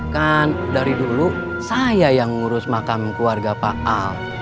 kan dari dulu saya yang ngurus makam keluarga pak al